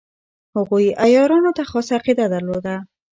هغوی عیارانو ته خاصه عقیده درلوده.